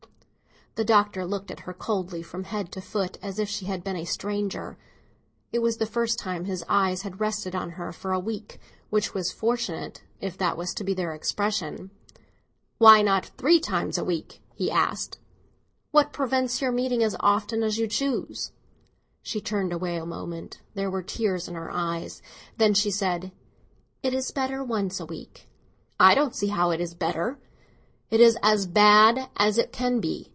The Doctor looked at her coldly from head to foot, as if she had been a stranger. It was the first time his eyes had rested on her for a week, which was fortunate, if that was to be their expression. "Why not three times a day?" he asked. "What prevents your meeting as often as you choose?" She turned away a moment; there were tears in her eyes. Then she said, "It is better once a week." "I don't see how it is better. It is as bad as it can be.